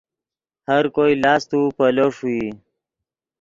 ہر کوئی لاست و پیلو ݰوئی